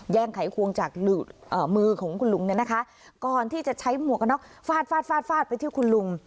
แย่งไขควงจากมือของคุณลุงนะคะก่อนที่จะใช้หมวกนอกฟาดไปที่คุณลุง